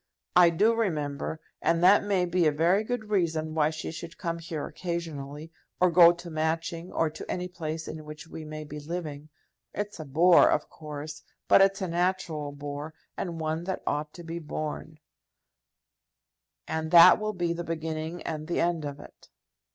"I do remember; and that may be a very good reason why she should come here occasionally, or go to Matching, or to any place in which we may be living. It's a bore, of course; but it's a natural bore, and one that ought to be borne." "And that will be the beginning and the end of it."